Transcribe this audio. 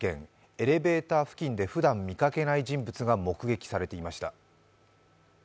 エレベーター付近でふだん見かけない人物が目撃されていました。